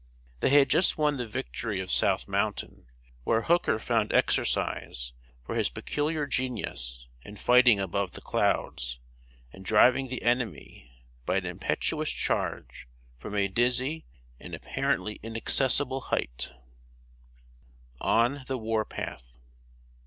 They had just won the victory of South Mountain, where Hooker found exercise for his peculiar genius in fighting above the clouds, and driving the enemy by an impetuous charge from a dizzy and apparently inaccessible hight. [Sidenote: ON THE WAR PATH.